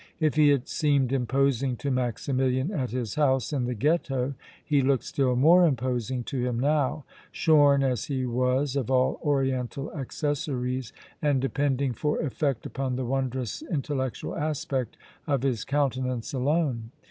If he had seemed imposing to Maximilian at his house in the Ghetto, he looked still more imposing to him now, shorn as he was of all oriental accessories and depending for effect upon the wondrous intellectual aspect of his countenance alone.